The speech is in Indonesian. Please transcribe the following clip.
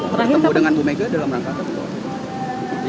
ketemu dengan bu megawati dalam rangka rangka